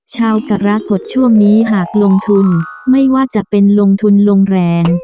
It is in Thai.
กรกฎช่วงนี้หากลงทุนไม่ว่าจะเป็นลงทุนลงแรง